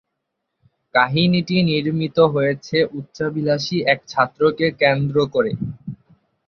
কাহিনীটি নির্মিত হয়েছে উচ্চাভিলাষী এক ছাত্রকে কেন্দ্র করে।